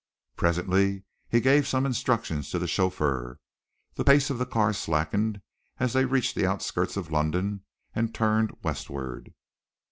Presently he gave some instructions to the chauffeur. The pace of the car slackened as they reached the outskirts of London and turned westward.